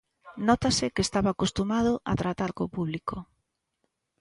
Nótase que estaba acostumado a tratar co público.